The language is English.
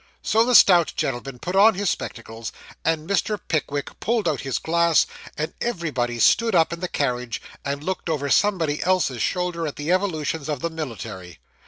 So the stout gentleman put on his spectacles, and Mr. Pickwick pulled out his glass, and everybody stood up in the carriage, and looked over somebody else's shoulder at the evolutions of the military.